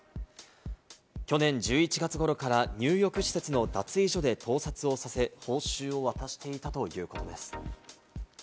去年１１月頃から入浴施設の脱衣所で盗撮をさせ、報酬を渡していたということです。